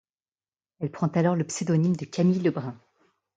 Elle prend alors le pseudonyme de Camille Lebrun.